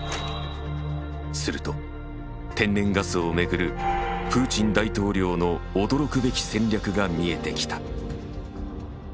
すると天然ガスを巡るプーチン大統領の驚くべき戦略が見えてきた。